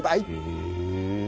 へえ。